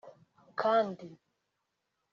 Kandi